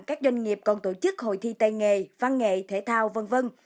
các doanh nghiệp còn tổ chức hội thi tay nghề văn nghệ thể thao v v